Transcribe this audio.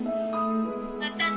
「またね」